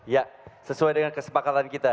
ya sesuai dengan kesepakatan kita